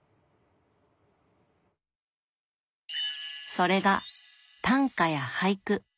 それが短歌や俳句。